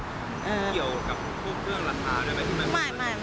เกี่ยวกับพวกเรื่องราคาด้วยไหม